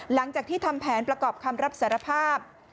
หลังจากที่ทำแผนประกอบคำรับสารภาพ